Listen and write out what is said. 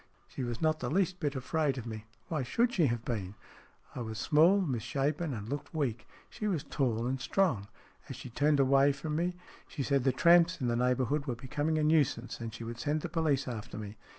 She was not the least bit afraid of me. Why should she have been? I was small, misshapen, and looked weak. She was tall and strong. As she turned away from me, she said the tramps in the neighbourhood were becoming a nuisance, and she would send the police after me.